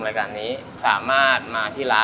ก็เลยเริ่มต้นจากเป็นคนรักเส้น